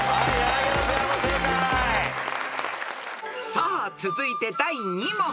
［さあ続いて第２問］